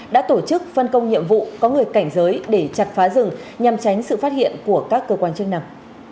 đã tổ chức phân công nhiệm vụ có người cảnh giới để chặt phá rừng nhằm tránh sự phát hiện của các cơ quan chức năng